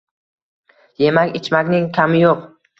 Yemak-ichmakning kami yo‘q.